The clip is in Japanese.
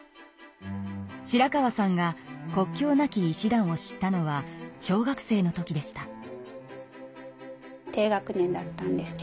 白川さんが国境なき医師団を知ったのは小学生の時でした。